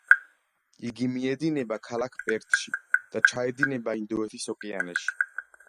იგი მიედინება ქალაქ პერთში და ჩაედინება ინდოეთის ოკეანეში.